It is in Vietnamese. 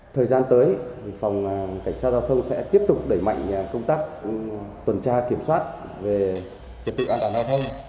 thời gian tới phòng cảnh sát giao thông sẽ tiếp tục đẩy mạnh công tác tuần tra kiểm soát về trật tự an toàn giao thông